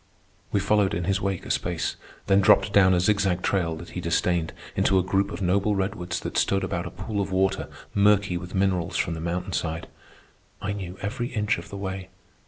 We followed in his wake a space, then dropped down a zigzag trail that he disdained into a group of noble redwoods that stood about a pool of water murky with minerals from the mountain side. I knew every inch of the way.